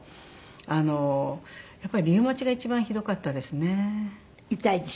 あのやっぱりリウマチが一番ひどかったですね。